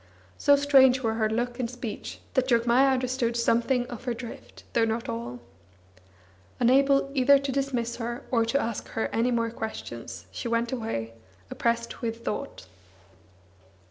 So strange were her look and speech that Jogmaya understood something of her drift, though not all. Unable either to dismiss her, or to ask her any more questions, she went away, oppressed with thought.